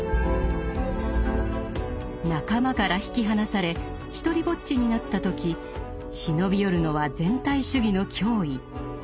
「仲間」から引き離され独りぼっちになった時忍び寄るのは全体主義の脅威。